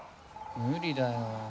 無理だよ。